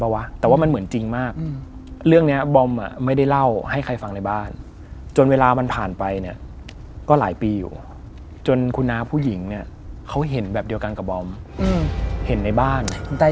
เรื่องเกี่ยวกับบ้าน